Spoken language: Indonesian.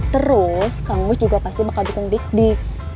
terus kang mus juga pasti bakal dukung dik dik